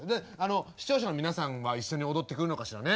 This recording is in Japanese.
視聴者の皆さんは一緒に踊ってくれるのかしらね。